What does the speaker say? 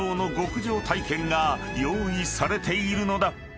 ［用意されているのだ］